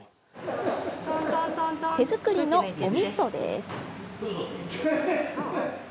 手作りの、おみそです。